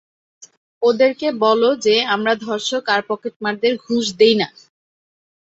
ওদেরকে বলো যে আমরা ধর্ষক আর পকেটমারদের ঘুষ দেই না।